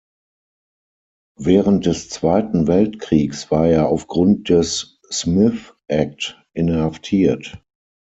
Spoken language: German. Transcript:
Während des Zweiten Weltkriegs war er aufgrund des Smith Act inhaftiert.